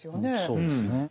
そうですね。